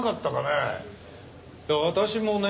いや私もね